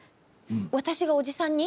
私が伯父さんに？